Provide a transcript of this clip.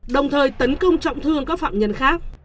đồng thời tấn công trọng thương các phạm nhân khác